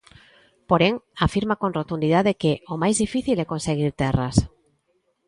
Porén, afirma con rotundidade que "o máis difícil é conseguir terras".